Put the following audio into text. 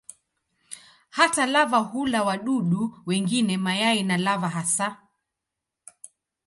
Hata lava hula wadudu wengine, mayai na lava hasa.